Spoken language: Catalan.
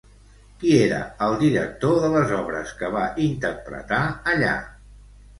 Qui era el director de les obres que va interpretar allà?